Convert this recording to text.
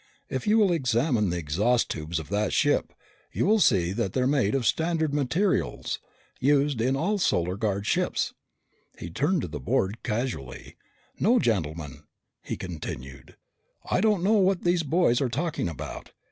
If you will examine the exhaust tubes of that ship, you'll see that they're made of standard materials used in all Solar Guard ships." He turned to the board, casually. "No, gentlemen," he continued, "I don't know what these boys are talking about.